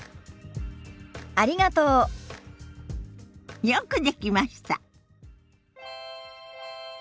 ありがとう。よくできました。